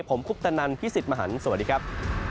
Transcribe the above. ผมคุปตนันพี่สิทธิ์มหันฯสวัสดีครับ